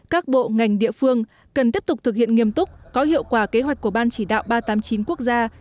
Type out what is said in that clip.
các bộ ngành địa phương cần tiếp tục thực hiện nghiêm túc có hiệu quả kế hoạch của ban chỉ đạo ba trăm tám mươi chín quốc gia